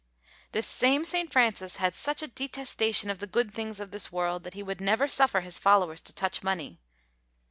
This same St. Francis had such a detestation of the good things of this world, that he would never suffer his followers to touch money.